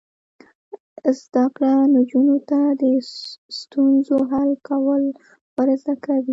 زده کړه نجونو ته د ستونزو حل کول ور زده کوي.